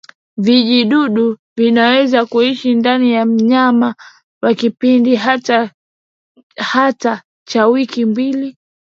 Vijidudu vinaweza kuishi ndani ya mnyama kwa kipindi hata cha wiki mbili